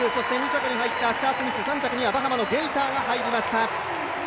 ２着に入ったアッシャー・スミス３着にはバハマのゲイターが入りました。